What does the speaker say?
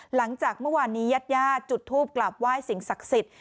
หลังจากเมื่อวานนี้ญาติญาติจุดทูปกลับไหว้สิ่งศักดิ์สิทธิ์